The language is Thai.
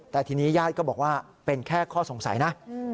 แต่ทีนี้ญาติก็บอกว่าเป็นแค่ข้อสงสัยนะ